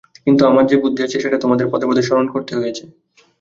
কিন্তু, আমার যে বুদ্ধি আছে, সেটা তোমাদের পদে পদে স্মরণ করতে হয়েছে।